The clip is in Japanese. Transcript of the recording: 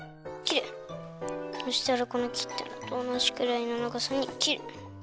そしたらこのきったのとおなじくらいのながさにきる。